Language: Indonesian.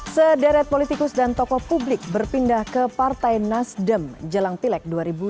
sederet politikus dan tokoh publik berpindah ke partai nasdem jelang pilek dua ribu sembilan belas